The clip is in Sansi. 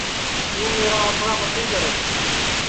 توں میرا آسرا متی کرے